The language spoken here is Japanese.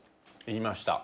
言いました。